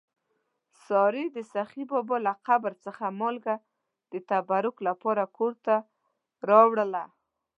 سارې د سخي بابا له قبر څخه مالګه د تبرک لپاره کور ته راوړله.